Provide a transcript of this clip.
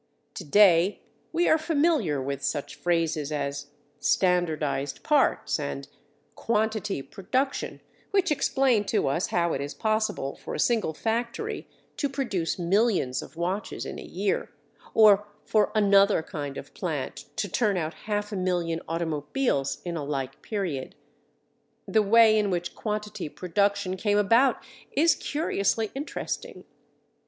To day, we are familiar with such phrases as "standardized parts" and "quantity production," which explain to us how it is possible for a single factory to produce millions of watches in a year, or for another kind of plant to turn out half a million automobiles in a like period. The way in which "quantity production" came about is curiously interesting.